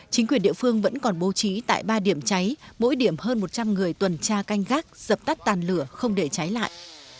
chính quyền địa phương vẫn còn bố trí tại ba điểm cháy mỗi điểm hơn một trăm linh người tuần tra canh gác dập tắt tàn lửa không để cháy lại